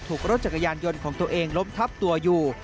ถูกรถจักรยานยนต์ของตัวเองล้มทับตัวอยู่